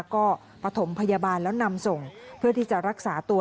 ก็ปฐมพยาบาลแล้วนำส่งเพื่อที่จะรักษาตัว